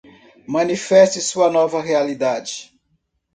Manifeste sua nova realidade